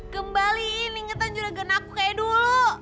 kembaliin ingetan juragan aku kayak dulu